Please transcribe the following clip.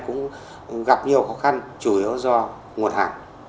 cũng gặp nhiều khó khăn chủ yếu do nguồn hàng